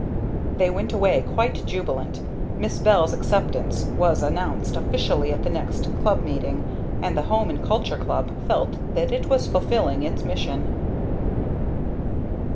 They went away quite jubilant, Miss Bell's acceptance was announced officially at the next club meeting, and the Home and Culture Club felt that it was fulfilling its mission.